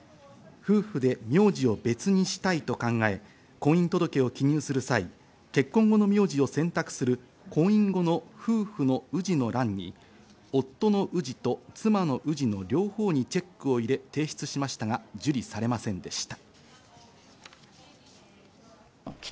夫婦で名字を別にしたいと考え、婚姻届を記入する際、結婚後の名字を選択する婚姻後の夫婦の氏の欄に夫の氏と妻の氏の両方にチェックを入れ提出しましたが、受理されませんでした。